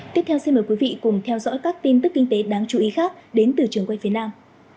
tiếp theo xin mời quý vị cùng theo dõi các tin tức kinh tế đáng chú ý khác đến từ trường quay phía nam